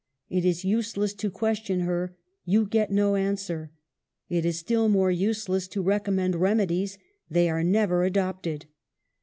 It is useless to question her ; you get no answer. It is still more useless to recommend remedies ; they are never adopted."